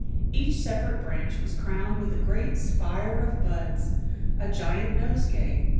Each separate branch was crowned with a great spire of buds, a giant nose gay.